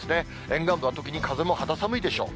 沿岸部は特に風も肌寒いでしょう。